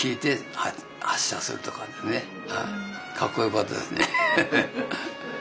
かっこよかったですね。